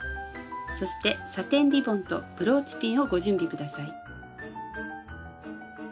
そしてサテンリボンとブローチピンをご準備下さい。